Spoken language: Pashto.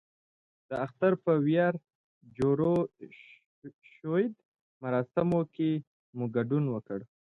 د اختر په ویاړ جوړو شویو مراسمو کې مو ګډون وکړ.